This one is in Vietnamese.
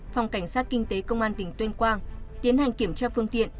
phòng cảnh sát kinh tế công an tỉnh tuyên quang tiến hành kiểm tra phương tiện